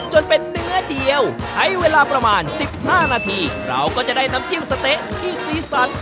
จนเป็นเนื้อเดียวใช้เวลาประมาณ๑๕นาทีเราก็จะได้น้ำจิ้มสะเต๊ะที่สีสัน